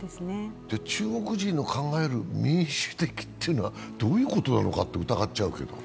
中国人の考える民主的というのはどういうことなのかと疑っちゃうけど。